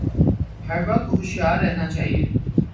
ہر وقت ہوشیار رہنا چاہیے